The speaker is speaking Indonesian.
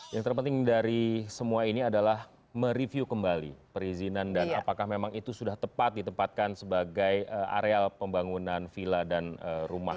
yang terpenting dari semua ini adalah mereview kembali perizinan dan apakah memang itu sudah tepat ditempatkan sebagai areal pembangunan villa dan rumah